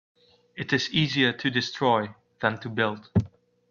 It is easier to destroy than to build.